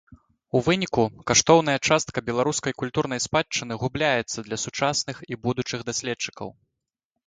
У выніку, каштоўная частка беларускай культурнай спадчыны губляецца для сучасных і будучых даследчыкаў.